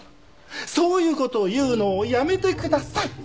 そういう事を言うのやめてください！